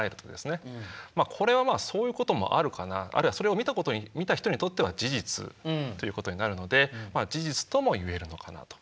これはまあそういうこともあるかなああるいはそれを見たこと見た人にとっては事実ということになるのでまあ事実とも言えるのかなと。